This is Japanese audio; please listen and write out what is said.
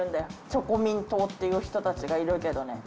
チョコミン党っていう人たちがいるけどね。